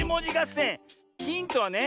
ヒントはね